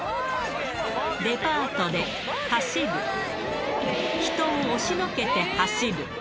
デパートで走る、人を押しのけて走る。